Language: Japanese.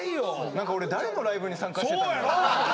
何か俺誰のライブに参加してたんだろうと。